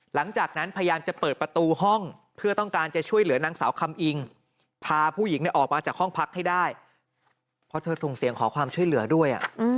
หลังจากนั้นพยายามจะเปิดประตูห้องเพื่อต้องการจะช่วยเหลือนางสาวคำอิงพาผู้หญิงออกมาจากห้องพักให้ได้เพราะเธอส่งเสียงขอความช่วยเหลือด้วย